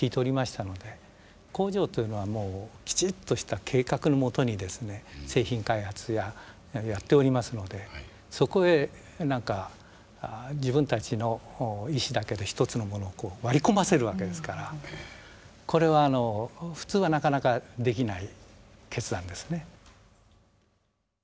工場というのはもうきちっとした計画のもとにですね製品開発をやっておりますのでそこへなんか自分たちの意思だけで一つのものをこう割り込ませるわけですからこれはあの普通はなかなかできない決断ですね。